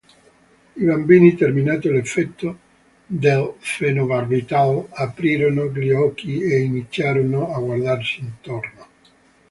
I bambini, terminato l'effetto del fenobarbital, aprirono gli occhi e iniziarono a guardarsi intorno.